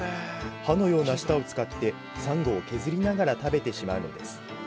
歯のような舌を使ってサンゴを削りながら食べてしまうのです。